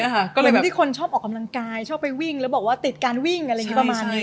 ก็เลยเป็นที่คนชอบออกกำลังกายชอบไปวิ่งแล้วบอกว่าติดการวิ่งอะไรอย่างนี้ประมาณนี้